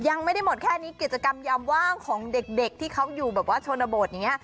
ยังไม่ได้หมดแค่นี้กิจกรรมยามว่างของเด็กที่เขาอยู่แบบว่าชนบทอย่างนี้